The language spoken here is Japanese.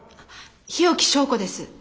日置昭子です。